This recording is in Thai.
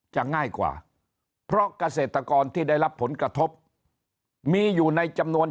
ง่ายกว่าเพราะเกษตรกรที่ได้รับผลกระทบมีอยู่ในจำนวน